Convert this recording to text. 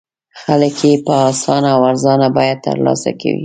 خلک یې په اسانه او ارزانه بیه تر لاسه کوي.